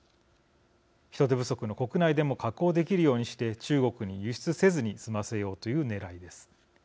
人手不足の国内でも加工できるようにして中国に輸出せずに済ませようというねらいです。